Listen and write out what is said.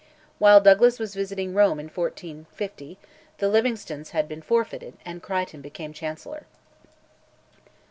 While Douglas was visiting Rome in 1450, the Livingstones had been forfeited, and Crichton became Chancellor.